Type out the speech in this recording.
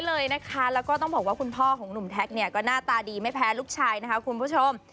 แล้วก็ต้องบอกว่าคุณพ่อของหนุ่มแท็กเนี่ยก็หน้าตาดีไม่แพ้ลูกชายนะคะคุณผู้ชม